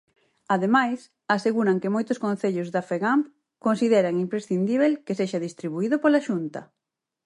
Ademais, aseguran que moitos concellos da Fegamp "consideran imprescindíbel que sexa distribuído pola Xunta".